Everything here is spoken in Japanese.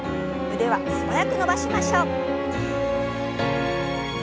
腕は素早く伸ばしましょう。